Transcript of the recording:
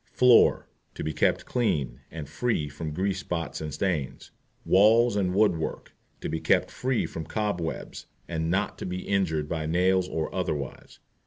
FLOOR. To be kept clean, and free from grease spots and stains. WALLS AND WOOD WORK. To be kept free from cobwebs, and not to be injured by nails or otherwise.